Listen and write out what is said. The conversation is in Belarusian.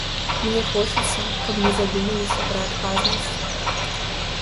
Мне хочацца, каб мы задумаліся пра адказнасць.